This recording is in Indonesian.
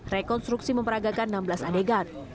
rekonstruksi memperagakan enam belas adegan